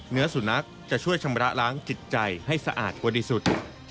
เนื้อสุนัขจะช่วยชำระล้างจิตใจให้สะอาดกว่าดีสุด